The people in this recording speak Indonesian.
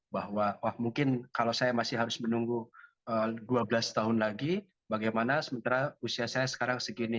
bahwa mungkin kalau saya masih harus menunggu dua belas tahun lagi bagaimana sementara usia saya sekarang segini